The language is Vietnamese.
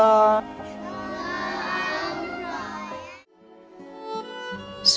tết trung thu